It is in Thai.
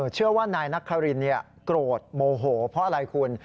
เชื่อว่านายนักคารินโกรธโมโหเพราะอะไรคุณ